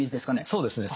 そうですね。